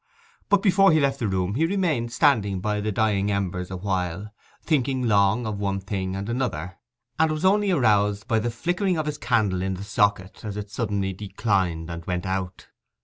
But before he left the room he remained standing by the dying embers awhile, thinking long of one thing and another; and was only aroused by the flickering of his candle in the socket as it suddenly declined and went out.